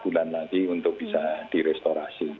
kemudian lagi untuk bisa direstorasi